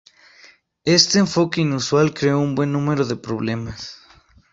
Este enfoque inusual creó un buen número de problemas.